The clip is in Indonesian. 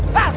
lu juga sih